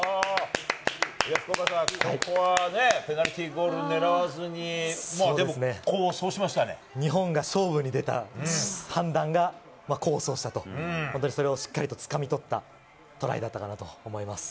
福岡さん、ここはね、ペナルティーゴール狙わずに、でも功を奏し日本が勝負に出た判断が功を奏したと、本当にそれをしっかりとつかみ取ったトライだったかなと思います。